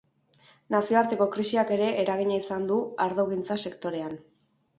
Nazioarteko krisiak ere eragina izan du ardogintza sektorean.